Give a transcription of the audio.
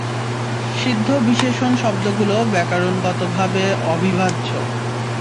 সিদ্ধ বিশেষণ শব্দগুলো ব্যকরণগতভাবে অবিভাজ্য।